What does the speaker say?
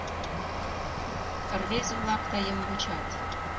— Рвезе-влак тыйым вучат.